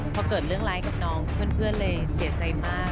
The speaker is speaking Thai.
พอเกิดเรื่องร้ายกับน้องเพื่อนเลยเสียใจมาก